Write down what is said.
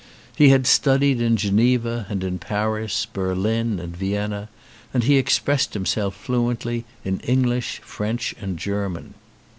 He had studied in Geneva and in Paris, Berlin and Vienna, and he expressed himself fluently in Eng lish, French, and German.